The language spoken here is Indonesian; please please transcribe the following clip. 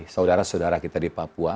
saudara saudara kita di papua